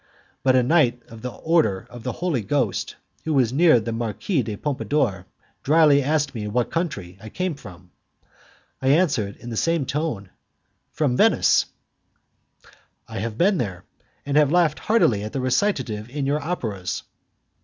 But a knight of the Order of the Holy Ghost, who was near the Marquise de Pompadour, dryly asked me what country I came from. I answered, in the same tone, "From Venice." "I have been there, and have laughed heartily at the recitative in your operas."